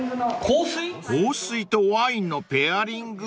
［香水とワインのペアリング？］